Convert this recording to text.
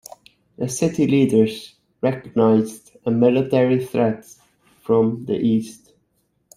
The city leaders recognized a military threat from the east.